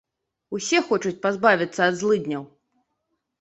Усе хочуць пазбавіцца ад злыдняў.